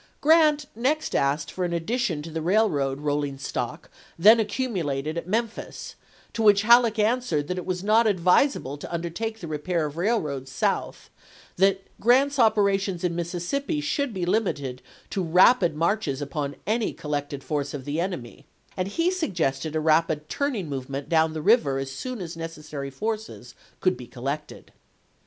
Grant next asked for an addition to the F™m." railroad rolling stock then accumulated at Mem phis, to which Halleck answered that it was not advisable to undertake the repair of railroads south; that Grant's operations in Mississippi should be limited to rapid marches upon any collected force of the enemy; and he suggested a rapid turning movement down the river as soon as neces sary forces could be collected.